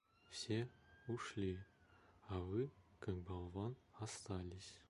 Все ушли, а Вы, как болван, остались.